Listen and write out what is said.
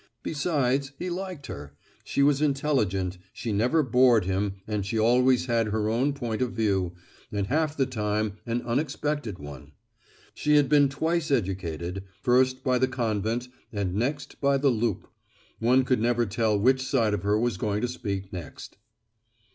Besides, he liked her. She was intelligent, she never bored him and she always had her own point of view, and half the time an unexpected one. She had been twice educated first by the convent and next by the loop. One could never tell which side of her was going to speak next.